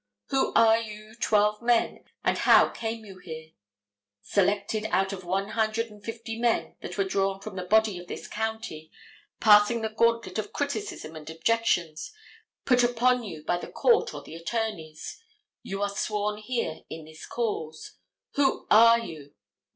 Who are you twelve men, and how came you here? Selected out of one hundred and fifty men that were drawn from the body of this county, passing the gauntlet of criticism and objections put upon you by the court or the attorneys, you are sworn here in this cause. Who are you?